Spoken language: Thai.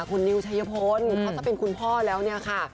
คุณนิวชัยพลเขาจะเป็นคุณพ่อแล้วเนี่ยค่ะ